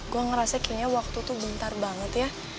gue ngerasa kayaknya waktu tuh bentar banget ya